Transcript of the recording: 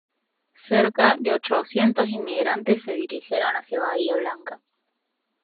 Cerca de ochocientos inmigrantes se dirigieron hacia Bahía Blanca.